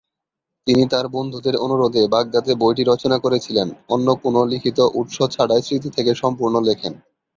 তিনি তাঁর বন্ধুদের অনুরোধে বাগদাদে বইটি রচনা করেছিলেন, অন্য কোনও লিখিত উৎস ছাড়াই স্মৃতি থেকে সম্পূর্ণ লেখেন।